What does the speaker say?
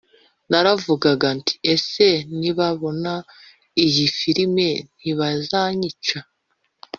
naravugaga nti ‘ese nibabona iyi filime ntibazanyica